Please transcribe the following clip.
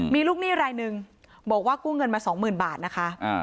มีลูกหนี้รายหนึ่งบอกว่ากู้เงินมาสองหมื่นบาทนะคะ